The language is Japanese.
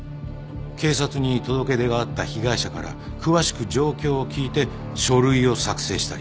警察に届け出があった被害者から詳しく状況を聞いて書類を作成したり。